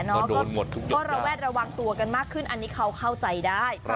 ก็โดนหมดทุกอย่างอันนี้เขาเข้าใจได้